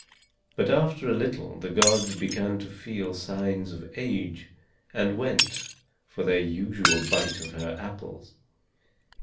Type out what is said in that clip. But after a little the gods began to feel signs of age, and went for their usual bite of her apples.